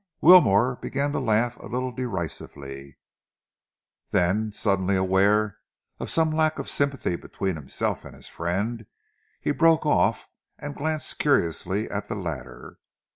Wilmore began to laugh a little derisively. Then, suddenly aware of some lack of sympathy between himself and his friend, he broke off and glanced curiously at the latter.